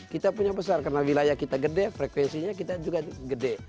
kita punya besar karena wilayah kita gede frekuensinya besar